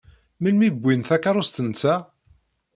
Melmi i wwin takeṛṛust-nteɣ?